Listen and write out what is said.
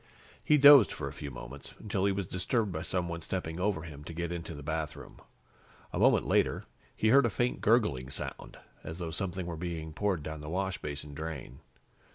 He dozed for a few moments, until he was disturbed by someone stepping over him to get into the bathroom. A moment later, he heard a faint gurgling sound, as though something were being poured down the washbasin drain.